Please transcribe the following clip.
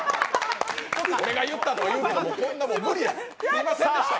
俺が言ったとか言うけどもう無理やねんすいませんでした。